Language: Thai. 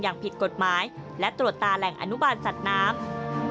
อย่างผิดกฎหมายและตรวจตาแหล่งอนุบาลสัตว์น้ำ